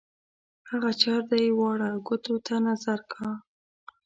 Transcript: هغه چر دی واړه ګوتو ته نظر کا.